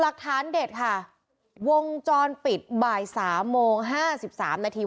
หลักฐานเด็ดค่ะวงจรปิดบ่ายสามโมงห้าสิบสามนาที